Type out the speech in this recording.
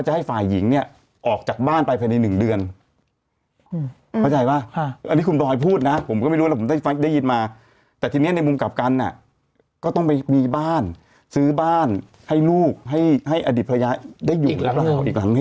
อ่าตาน้องเขาก็เดือดไงเขาไปทุบด้วยนะ